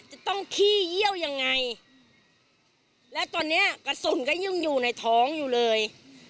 จะต้องขี้เยี่ยวยังไงและตอนเนี้ยกระสุนก็ยังอยู่ในท้องอยู่เลย